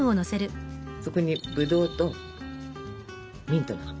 そこにぶどうとミントの葉。